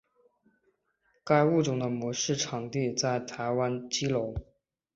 该物种的模式产地在台湾基隆。